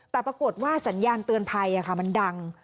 แต่ปรากฏว่าสัญญาณเตือนภัยมันดัง